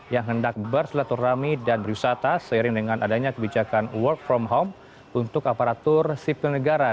yang hendak bersilaturahmi dan berwisata seiring dengan adanya kebijakan work from home untuk aparatur sipil negara